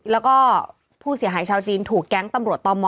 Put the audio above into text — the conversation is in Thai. แล้วก็ผู้เสียหายชาวจีนถูกแก๊งตำรวจตม